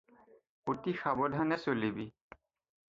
অতি সাৱধানে চলিবি